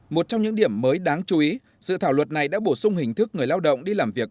một trong những điểm mới đáng chú ý dự thảo luật này đã bổ sung hình thức người lao động đi làm việc